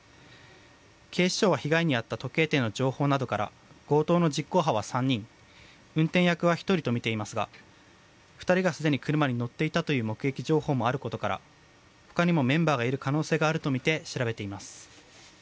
警視庁は被害に遭った時計店の情報などから強盗の実行犯は３人運転役は１人とみていますが２人がすでに車に乗っていたという目撃情報があることからほかにもメンバーがいる可能性があるとみて調べています。